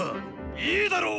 いいだろう！